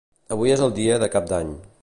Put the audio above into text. Avui és el dia de cap d'any.